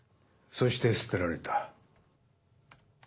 そして捨てられた。